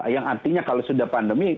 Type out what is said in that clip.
yang artinya kalau sudah pandemi